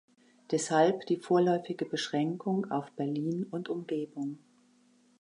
Deshalb die vorläufige Beschränkung auf Berlin und Umgebung.